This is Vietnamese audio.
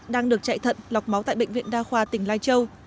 đang được chạy thận lọc máu tại bệnh viện đa khoa tỉnh lai châu